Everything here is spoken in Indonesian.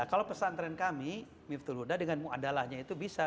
kalau pesantren kami miftul huda dengan muadalahnya itu bisa